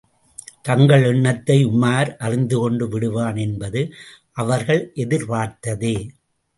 தங்கள் எண்ணத்தை உமார் அறிந்துகொண்டு விடுவான் என்பது அவர்கள் எதிர்பார்த்ததே!